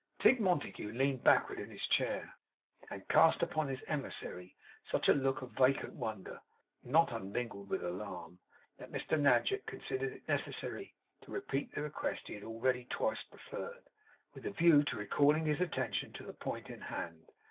Tigg Montague leaned backward in his chair, and cast upon his emissary such a look of vacant wonder (not unmingled with alarm), that Mr Nadgett considered it necessary to repeat the request he had already twice preferred; with the view to recalling his attention to the point in hand.